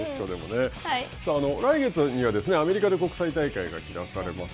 さあ、来月にはアメリカで国際大会が開かれます。